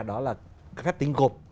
đó là phép tính gộp